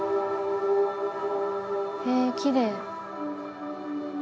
へえきれい。